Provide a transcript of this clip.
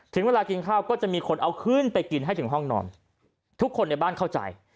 ถึงเวลากินข้าวก็จะมีคนเอาขึ้นไปกินให้ถึงห้องนอนทุกคนในบ้านเข้าใจ